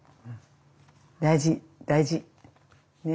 大事大事。ね。